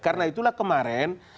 karena itulah kemarin